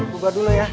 bubar dulu ya